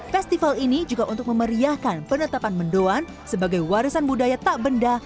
festival ini juga untuk memeriahkan penetapan mendoan sebagai warisan budaya tak benda